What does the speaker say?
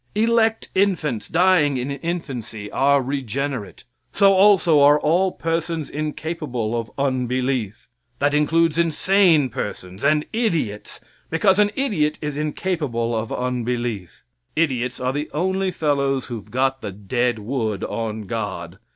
Elect infants dying in infancy are regenerate. So also are all persons incapable of unbelief. That includes insane persons and idiots, because an idiot is incapable of unbelief. Idiots are the only fellows who've got the dead wood on God.